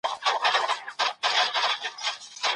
پلانونه د چارواکو له خوا جوړېږي.